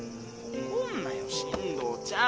怒んなよ進藤ちゃーん。